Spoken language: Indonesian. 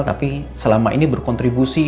tapi selama ini berkontribusi